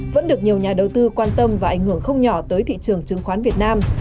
vẫn được nhiều nhà đầu tư quan tâm và ảnh hưởng không nhỏ tới thị trường chứng khoán việt nam